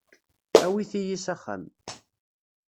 Awit-iyi s axxam.